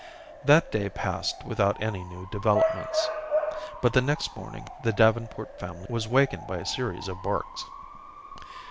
That day passed without any new developments, but the next morning the Davenport family was wakened by a series of barks.